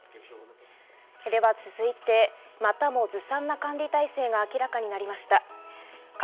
続いて、またもずさんな管理体制が明らかになりました。